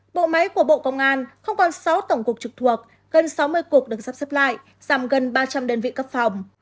bộ máy của bộ công an không còn sáu tổng cục trực thuộc gần sáu mươi cuộc được sắp xếp lại giảm gần ba trăm linh đơn vị cấp phòng